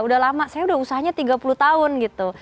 udah lama saya udah usahanya tiga puluh tahun gitu